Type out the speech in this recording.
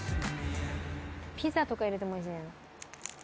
ピザとか入れてもいいんじゃないの？